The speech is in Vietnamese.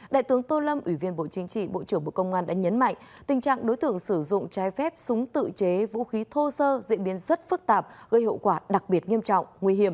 đại tướng tô lâm ủy viên bộ chính trị bộ trưởng bộ công an đã nhấn mạnh tình trạng đối tượng sử dụng trái phép súng tự chế vũ khí thô sơ diễn biến rất phức tạp gây hậu quả đặc biệt nghiêm trọng nguy hiểm